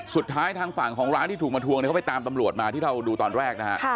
ทางฝั่งของร้านที่ถูกมาทวงเนี่ยเขาไปตามตำรวจมาที่เราดูตอนแรกนะฮะ